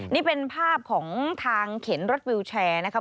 นี่เป็นภาพของทางเข็นรถวิวแชร์นะครับ